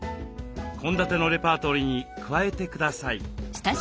献立のレパートリーに加えてください。